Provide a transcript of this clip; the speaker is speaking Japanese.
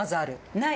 ない？